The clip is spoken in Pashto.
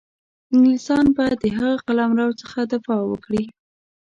انګلیسیان به د هغه قلمرو څخه دفاع وکړي.